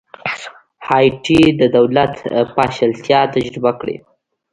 هایټي د دولت پاشلتیا تجربه کړې.